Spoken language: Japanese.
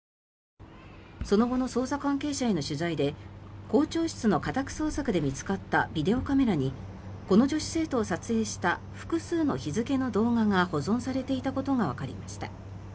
その後の捜査関係者への取材で校長室の家宅捜索で見つかったビデオカメラにこの女子生徒を撮影した複数の日付の動画が保存されていたことがわかりました。